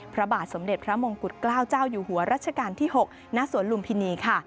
พระบาทสมเด็จพระมงกุฎเกล้าเจ้าอยู่หัวรัชกาลที่๖ณสวนลุมพินีค่ะ